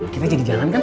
kita jadi jalan kan